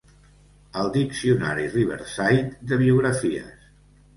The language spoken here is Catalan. El diccionari Riverside de biografies.